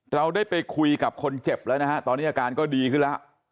เราได้ไปคุยกับคนเจ็บแล้วนะฮะตอนนี้อาการก็ดีขึ้นแล้ว